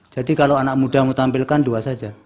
jadi kalau anak muda mau tampilkan dua saja